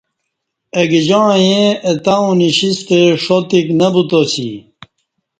اگجاعں ییں اتاوں نشیستہ ݜاتک دی نہ بوتاسی